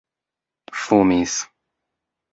fumis